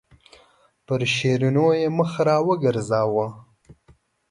پر شیرینو یې مخ راوګرځاوه.